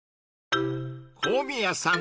［小宮さん